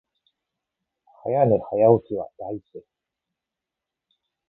早寝早起きは大事です